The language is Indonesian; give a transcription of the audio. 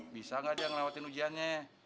bisa nggak dia ngelewatin ujiannya